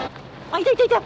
いたいたいた！